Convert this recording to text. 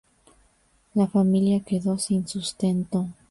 La familia quedó sin sustento.